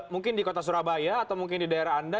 mungkin di kota surabaya atau mungkin di daerah anda